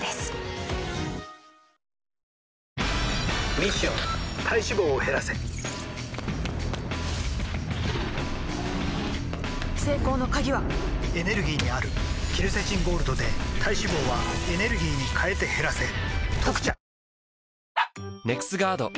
ミッション体脂肪を減らせ成功の鍵はエネルギーにあるケルセチンゴールドで体脂肪はエネルギーに変えて減らせ「特茶」